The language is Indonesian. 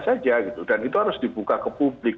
saja gitu dan itu harus dibuka ke publik